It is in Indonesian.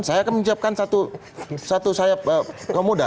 saya akan menyiapkan satu sayap ke muda